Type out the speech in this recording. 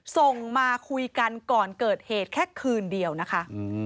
ส่งมาคุยกันก่อนเกิดเหตุแค่คืนเดียวนะคะ